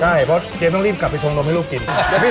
ใช่เพราะเจมสต้องรีบกลับไปชงนมให้ลูกกิน